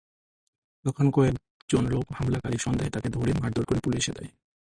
তখন কয়েকজন লোক হামলাকারী সন্দেহে তাঁকে ধরে মারধর করে পুলিশে দেয়।